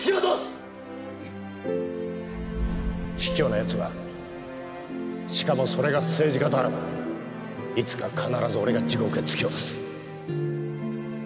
卑怯な奴はしかもそれが政治家とあらばいつか必ず俺が地獄へ突き落とす！